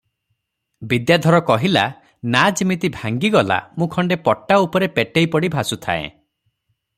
ବିଦ୍ୟାଧର କହିଲା, "ନାଆ ଯିମିତି ଭାଙ୍ଗିଗଲା, ମୁଁ ଖଣ୍ଡେ ପଟା ଉପରେ ପେଟେଇ ପଡ଼ି ଭାସୁଥାଏଁ ।